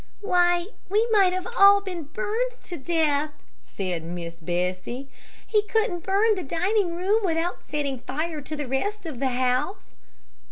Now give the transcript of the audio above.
"Why we might have all been burned to death," said Miss Bessie. "He couldn't burn the dining room without setting fire to the rest of the house."